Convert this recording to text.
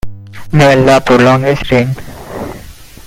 May Allah prolong his reign.